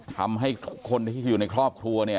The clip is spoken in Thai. ทำให้คนที่อยู่ในครอบครัวเนี่ย